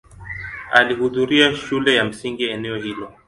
Alihudhuria shule ya msingi eneo hilo.